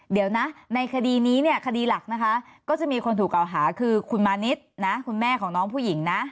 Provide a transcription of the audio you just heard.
เดี๋ยวนะในคดีนี้เนี่ยคดีหลักนะคะก็จะมีคนถูกเก่าหาคือคุณมานิดนะคุณแม่ของน้องผู้หญิงนะ